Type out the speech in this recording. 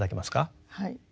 はい。